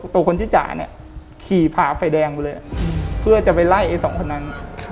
ตัวคนชื่อจ่าเนี่ยขี่ผ่าไฟแดงไปเลยเพื่อจะไปไล่ไอ้สองคนนั้น